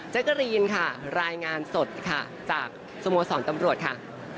จ๊ะกะรีนค่ะรายงานสดจากสมสรรค์ตำรวจค่ะ